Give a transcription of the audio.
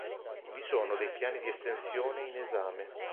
Vi sono dei piani di estensione in esame.